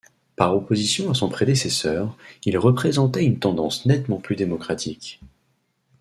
Par opposition à son prédécesseur, il représentait une tendance nettement plus démocratique.